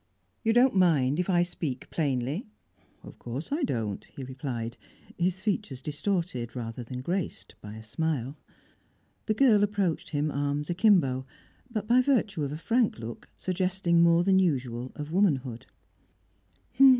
"You don't mind if I speak plainly?" "Of course I don't," he replied, his features distorted, rather than graced, by a smile. The girl approached him, arms akimbo, but, by virtue of a frank look, suggesting more than usual of womanhood.